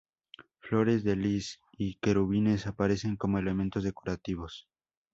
Flores de lis y querubines aparecen como elementos decorativos.